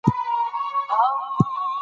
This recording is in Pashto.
سهارنۍ د زړه د ناروغۍ خطر کموي.